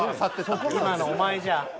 今のお前じゃ。